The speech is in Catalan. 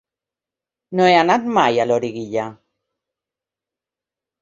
No he anat mai a Loriguilla.